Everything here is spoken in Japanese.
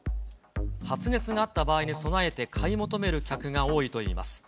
発熱があった場合に備えて買い求める客が多いといいます。